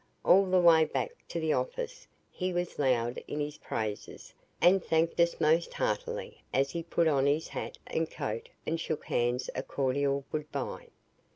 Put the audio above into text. All the way back to the office he was loud in his praises and thanked us most heartily, as he put on his hat and coat and shook hands a cordial good bye.